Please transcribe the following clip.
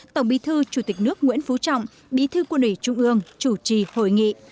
tổng bí thư chủ tịch nước nguyễn phú trọng bí thư quân ủy trung ương chủ trì hội nghị